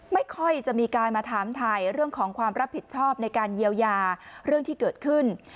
ไม่ค่อยจะมีการมาถามถ่ายเรื่องของความรับผิดชอบในการเยียวยาเรื่องที่เกิดขึ้น